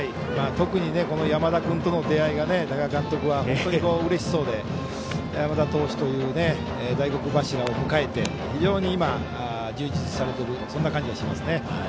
特に、山田君との出会いが多賀監督は本当にうれしそうで山田投手という大黒柱を迎えて、非常に今充実されている感じがしますね。